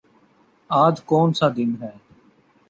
آج کونسا دن ہے؟